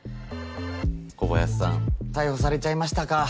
小林さん逮捕されちゃいましたか。